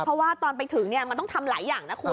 เพราะว่าตอนไปถึงมันต้องทำหลายอย่างนะคุณ